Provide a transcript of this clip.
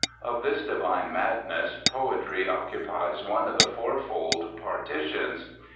Of this divine madness poetry occupies one of the fourfold partitions.